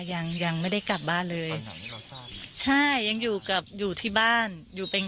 ยังยังไม่ได้กลับบ้านเลยใช่ยังอยู่กับอยู่ที่บ้านอยู่เป็น